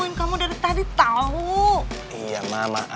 oh ma mau kemana